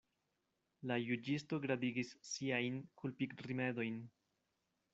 La juĝisto gradigis siajn kulpigrimedojn.